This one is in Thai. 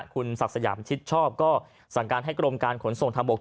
คุณศักดิ์สยามชิดชอบก็สั่งการให้กรมการขนส่งทางบก